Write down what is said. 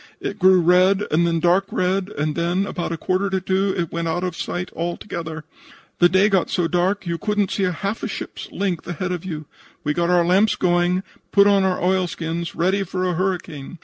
It grew red and then dark red and then, about a quarter after 2, it went out of sight altogether. The day got so dark that you couldn't see half a ship's length ahead of you. We got our lamps going, and put on our oilskins, ready for a hurricane.